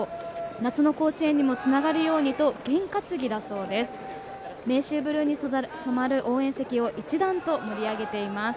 夏の甲子園にもつながるようにと験担ぎだそうです。